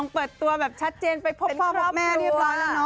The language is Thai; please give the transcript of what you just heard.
เป็นครอบครัว